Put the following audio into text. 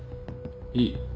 いい。